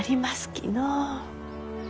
きのう。